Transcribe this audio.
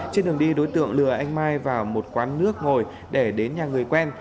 trên đường đi đối tượng lừa anh mai vào một quán nước ngồi để đến nhà người quen